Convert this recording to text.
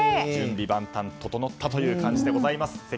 準備万端整ったという感じでございます。